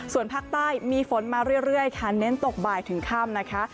ส่วนภาคใต้มีฝนมาเรื่อยค่ะเน้นตกบ่ายถึงค่ำนะคะ